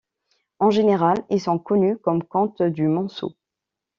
En général, ils sont connus comme Comte du Monceau.